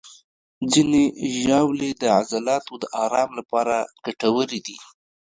ځینې ژاولې د عضلاتو د آرام لپاره ګټورې دي.